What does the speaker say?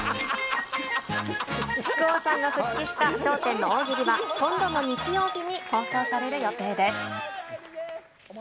木久扇さんが復帰した笑点の大喜利は、今度の日曜日に放送される予定です。